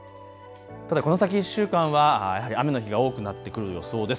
ただこの先１週間は雨の日が多くなってくる予想です。